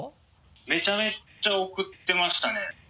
めちゃめちゃ送ってましたね。